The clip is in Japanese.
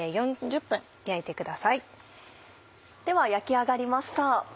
では焼き上がりました